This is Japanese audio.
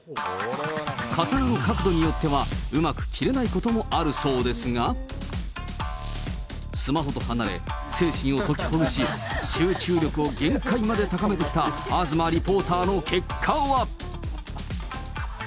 刀の角度によってはうまく切れないこともあるそうですが、スマホと離れ、精神をときほぐし、集中力を限界まで高めてきた東リポーターの結果は？